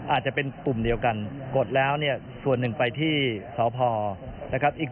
อาจจะเป็นปุ่มเดียวกันกดแล้วเนี่ยส่วนหนึ่งไปที่สพนะครับ